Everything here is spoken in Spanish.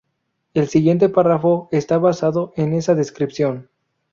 El siguiente párrafo está basado en esa descripción.